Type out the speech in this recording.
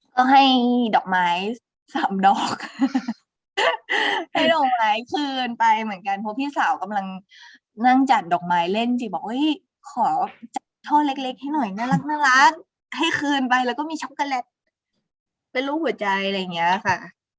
ก็ให้ดอกไม้สามดอกให้ดอกไม้คืนไปเหมือนกันเพราะพี่สาวกำลังนั่งจัดดอกไม้เล่นจีบอกขอจัดท่อเล็กให้หน่อยน่ารักให้คืนไปแล้วก็มีช็อกโกแลตเป็นรูปหัวใจอะไรอย่างนี้ค่ะ